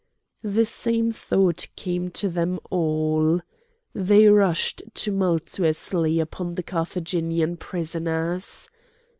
The same thought came to them all. They rushed tumultuously upon the Carthaginian prisoners.